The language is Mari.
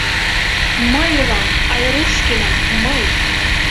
Мый улам, Айрушкина, мый!